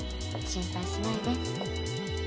心配しないで。